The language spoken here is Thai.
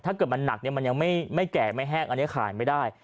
ถ้าเกิดมันหนักเนี่ยมันยังไม่แก่ไม่แห้งอันนี้ขายไม่ได้